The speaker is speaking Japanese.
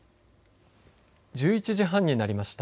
１１時半になりました。